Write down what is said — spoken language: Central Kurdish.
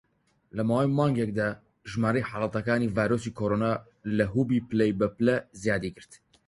لە ماوەی مانگێکدا، ژمارەی حاڵەتەکانی ڤایرۆسی کۆرۆنا لە هوبی پلە بە پلە زیادی کرد.